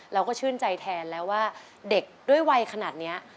เราก็ชื่นใจแทนแล้วว่าเด็กด้วยวัยขนาดนี้